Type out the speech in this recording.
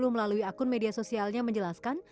melalui akun media sosialnya menjelaskan